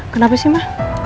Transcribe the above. kenapa sih ma